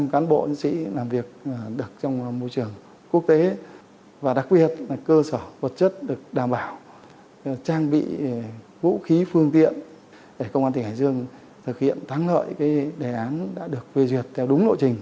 một trăm linh cán bộ nhân sĩ làm việc được trong môi trường quốc tế và đặc biệt là cơ sở vật chất được đảm bảo trang bị vũ khí phương tiện để công an tỉnh hải dương thực hiện thắng lợi đề án đã được phê duyệt theo đúng lộ trình